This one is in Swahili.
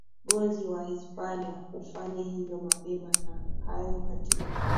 gozi wa hispania ufanye hivyo mapema ni hayo katika